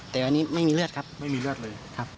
แต่อันนี้ไม่มีเลือดครับไม่มีเลือดเลยครับ